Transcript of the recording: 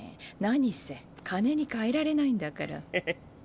何せ金に換えられないんだから。へへっ。